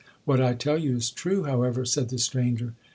'—'What I tell you is true, however,' said the stranger.